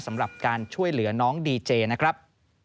สำหรับการช่วยเหลือน้องดีเจนะครับ